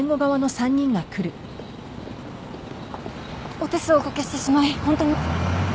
お手数をお掛けしてしまいホントに。